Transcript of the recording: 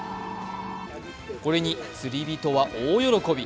これに釣り人は大喜び。